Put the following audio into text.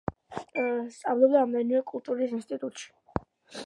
სწავლობდა რამდენიმე კულტურის ინსტიტუტში.